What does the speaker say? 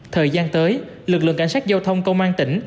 thời gian tới lực lượng cảnh sát giao thông công an tỉnh